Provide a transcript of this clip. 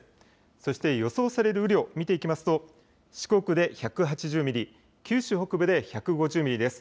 そして予想される雨量、見ていきますと四国で１８０ミリ、九州北部で１５０ミリです。